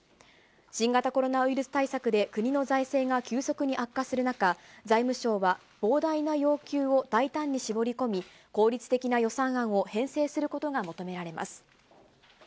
新型コロナウイルス対策で国の財政が急速に悪化する中、財務省は、膨大な要求を大胆に絞り込み、効率的な予算案を編成することが求められます。